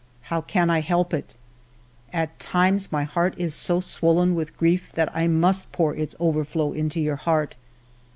How can I help it ? At times my heart is so swollen with grief that I must pour its overflow into your heart.